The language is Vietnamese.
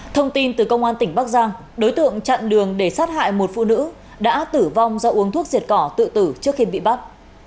thông tin từ công an tỉnh bắc giang đối tượng chặn đường để sát hại một phụ nữ đã tử vong do uống thuốc diệt cỏ tự tử trước khi bị bắt